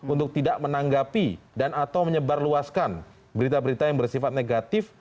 untuk tidak menanggapi dan atau menyebarluaskan berita berita yang bersifat negatif